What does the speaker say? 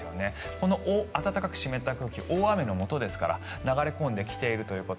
この暖かく湿った空気大雨のもとですから流れ込んできているということ。